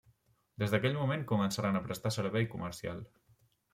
Des d'aquell moment començaren a prestar servei comercial.